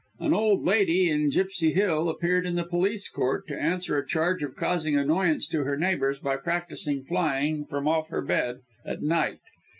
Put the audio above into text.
An old lady, in Gipsy Hill, appeared in the Police Court to answer a charge of causing annoyance to her neighbours by practising flying, from off her bed, at night.